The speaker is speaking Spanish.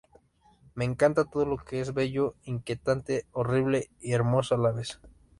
Me encanta todo lo que es bello, inquietante, horrible y hermosa a la vez.